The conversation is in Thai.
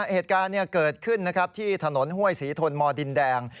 เหตุการณ์เกิดขึ้นที่ถนนห้วยศรีทนมดินแดง